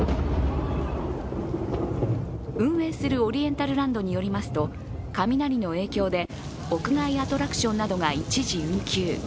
運営するオリエンタルランドによりますと雷の影響で、屋外アトラクションなどが一時運休。